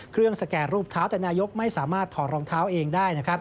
เครื่องสแกนรูปเท้าแต่นายกไม่สามารถถอดรองเท้าเองได้